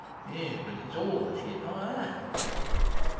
Yes, but it's all the ship I have.